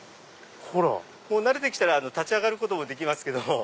慣れて来たら立ち上がることもできますけど。